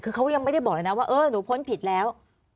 คือเขายังไม่ได้บอกเลยนะว่าเออหนูพ้นผิดแล้ว